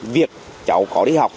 việc cháu có đi học